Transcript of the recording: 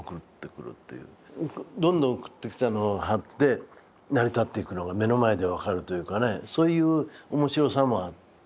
どんどん送ってきたのを貼って成り立っていくのが目の前で分かるというかねそういう面白さもあって。